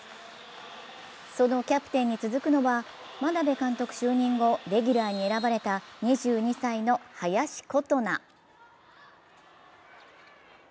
そのキャプテンに続くのは眞鍋監督就任後、レギュラーに選ばれた２２歳の林琴奈。